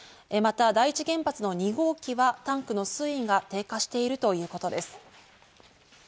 また第一原発の２号機はタンクの水位が低下しているということです。